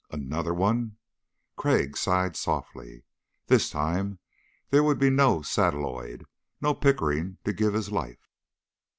"Another one?" Crag sighed softly. This time there would be no satelloid, no Pickering to give his life.